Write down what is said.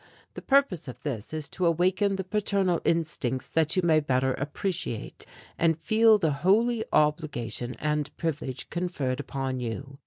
The purpose of this is to awaken the paternal instincts that you may better appreciate and feel the holy obligation and privilege conferred upon you.